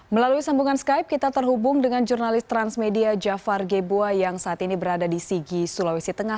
melalui sambungan skype kita terhubung dengan jurnalis transmedia jafar gebua yang saat ini berada di sigi sulawesi tengah